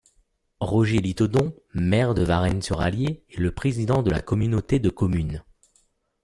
Roger Litaudon, maire de Varennes-sur-Allier, est le président de la communauté de communes.